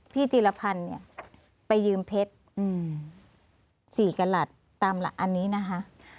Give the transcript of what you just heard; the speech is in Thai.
พี่จิลภัณฑ์ไปยืมเพชร๔กระหลัดตามอันนี้นะคะ